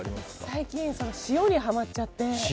最近、塩にはまっちゃって。